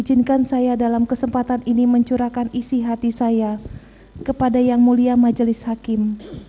izinkan saya dalam kesempatan ini mencurahkan isi hati saya kepada yang mulia majelis hakim